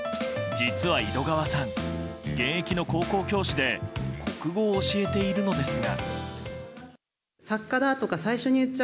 実は井戸川さん現役の高校教師で国語を教えているのですが。